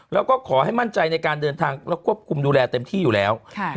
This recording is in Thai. แล้วก็ขอให้มั่นใจในการเดินทางและควบคุมดูแลเต็มที่อยู่แล้ว